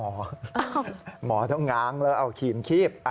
หมอมีบลักษณ์ขนตรายแล้วเอาขี่มขีบ